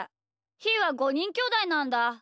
ひーは５にんきょうだいなんだ。